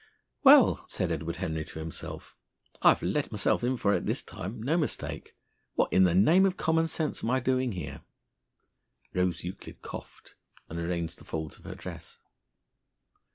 "Well," said Edward Henry to himself, "I've let myself in for it this time no mistake! What in the name of common sense am I doing here?" Rose Euclid coughed, and arranged the folds of her dress.